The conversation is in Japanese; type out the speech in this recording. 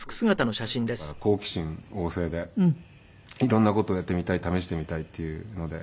ちっちゃい頃から好奇心旺盛で色んな事をやってみたい試してみたいっていうので。